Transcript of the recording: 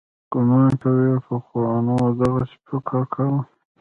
ګومان کوي پخوانو دغسې فکر کاوه.